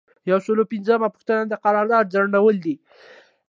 یو سل او پنځمه پوښتنه د قرارداد ځنډول دي.